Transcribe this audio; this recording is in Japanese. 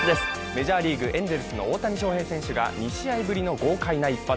メジャーリーグ、エンゼルスの大谷翔平選手が２試合ぶりの豪快な一発。